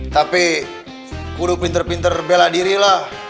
tapi udah pinter pinter bela diri lah